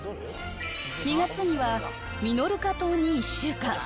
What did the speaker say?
２月にはミノルカ島に１週間。